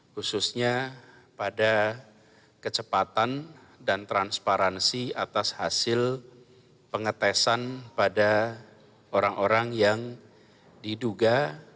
khususnya pada kecepatan dan transparansi atas hasil pengetesan pada orang orang yang diduga